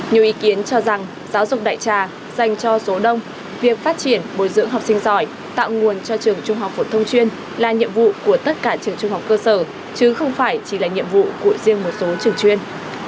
nhiều ý kiến cho rằng giáo dục đại trà dành cho số đông việc phát triển bồi dưỡng học sinh giỏi tạo nguồn cho trường trung học phổ thông chuyên là nhiệm vụ của tất cả trường trung học cơ sở chứ không phải chỉ là nhiệm vụ của riêng một số trường chuyên